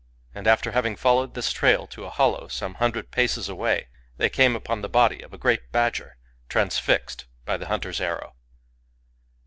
And after having followed this trail to a hollow some hun dred paces away, they came upon the body of a great badger, transfixed by the hunter's arrow.